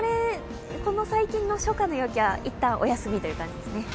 最近の初夏の陽気はいったんお休みという感じですね。